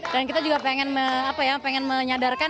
dan kita juga pengen apa ya pengen menyadarkan